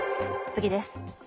次です。